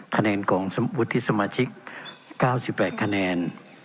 คะแนนของวุฒิสมาชิก๙๘คะแนน